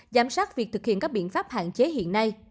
giám sát việc thực hiện các biện pháp hạn chế hiện nay